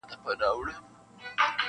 • نه یې وېره د خالق نه د انسان وه -